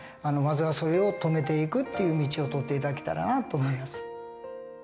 まずはそれを止めていくっていう道をとって頂けたらなと思います。